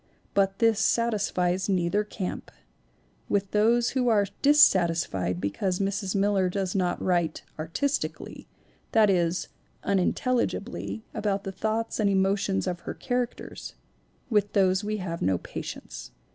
But this satis fies neither camp. With those who are dissatisfied because Mrs. Miller does not write "artistically" (that is, unintelligibly) about the thoughts and emotions of her characters with those we have no patience.